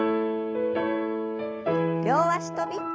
両脚跳び。